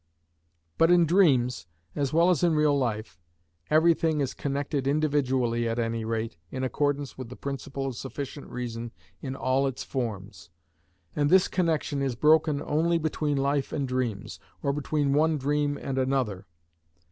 But in dreams, as well as in real life, everything is connected individually at any rate, in accordance with the principle of sufficient reason in all its forms, and this connection is broken only between life and dreams, or between one dream and another.